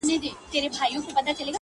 په بوتلونو شـــــراب ماڅښلي!!